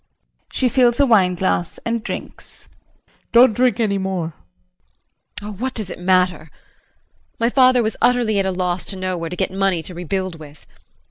[She fills a wine glass and drinks.] JEAN. Don't drink any more. JULIE. Oh, what does it matter? My father was utterly at a loss to know where to get money to rebuild with.